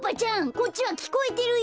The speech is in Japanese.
こっちはきこえてるよ。